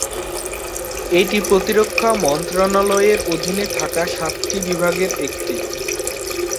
এটি প্রতিরক্ষা মন্ত্রণালয়ের অধীনে থাকা সাতটি বিভাগের একটি।